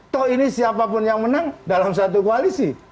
toh ini siapapun yang menang dalam satu koalisi